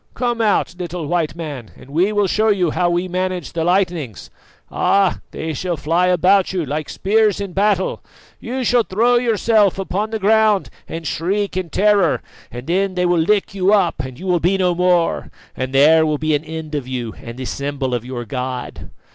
Come out, little White Man, and we will show you how we manage the lightnings. Ah! they shall fly about you like spears in battle. You shall throw yourself upon the ground and shriek in terror, and then they will lick you up and you shall be no more, and there will be an end of you and the symbol of your God."